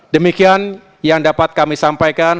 demikian yang dapat kami sampaikan